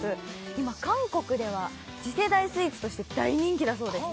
今韓国では次世代スイーツとして大人気だそうです